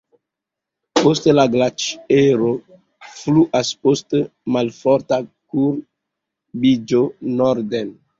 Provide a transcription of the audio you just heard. Poste la glaĉero fluas post malforta kurbiĝo norden.